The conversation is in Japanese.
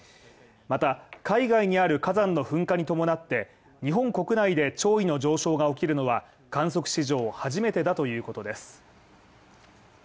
また、海外にある火山の噴火に伴って、日本国内で潮位の上昇が起きるのは観測史上初めてだということです。